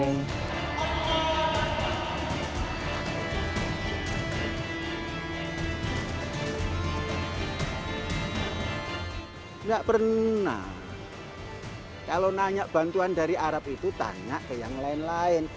enggak pernah kalau nanya bantuan dari arab itu tanya ke yang lain lain